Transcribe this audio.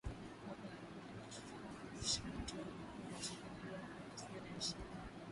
wako wa kulia Kuchukua na kushoto inachukuliwa kuwa isiyo ya heshima